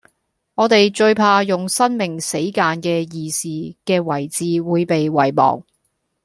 我地最怕用生命死諫既義士既遺志會被遺忘